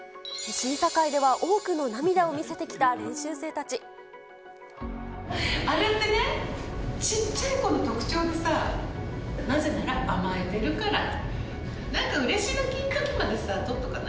審査会では多くの涙を見せてあれってね、ちっちゃい子の特徴でさ、なぜなら甘えてるから。